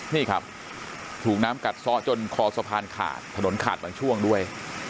นี่ครับถูกน้ำกัดซ้อจนคอสะพานขาดถนนขาดบางช่วงด้วย